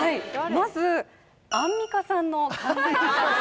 まずアンミカさんの考え方